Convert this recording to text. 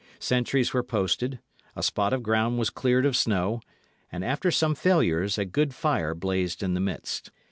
Sentries were posted; a spot of ground was cleared of snow, and, after some failures, a good fire blazed in the midst.